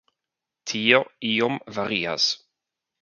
Tio iom varias.